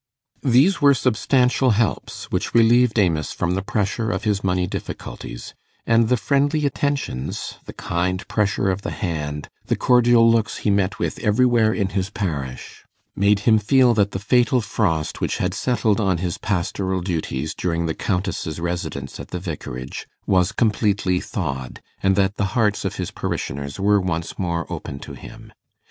These were substantial helps, which relieved Amos from the pressure of his money difficulties; and the friendly attentions, the kind pressure of the hand, the cordial looks he met with everywhere in his parish, made him feel that the fatal frost which had settled on his pastoral duties, during the Countess's residence at the Vicarage, was completely thawed, and that the hearts of his parishioners were once more open to him.